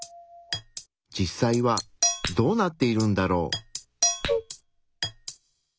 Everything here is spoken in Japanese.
実際はどうなっているんだろう？